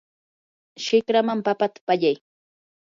shikraman papata pallay.